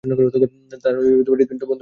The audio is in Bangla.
তার হৃদপিন্ড বন্ধ হয়ে যাবে।